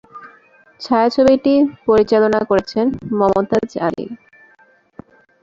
ছায়াছবিটি পরিচালনা করেছেন মমতাজ আলী।